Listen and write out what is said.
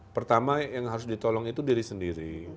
pertama yang harus ditolong itu diri sendiri